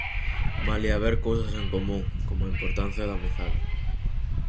Malia haber cousas en común, como a importancia da amizade.